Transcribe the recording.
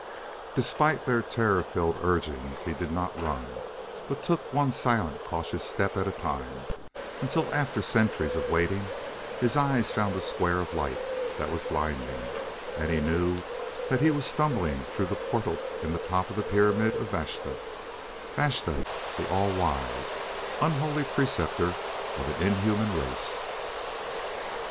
Despite their terror filled urging he did not run, but took one silent, cautious step at a time, until, after centuries of waiting, his eyes found a square of light that was blinding; and he knew that he was stumbling through the portal in the top of the pyramid of Vashta Vashta the All Wise unholy preceptor of an inhuman race.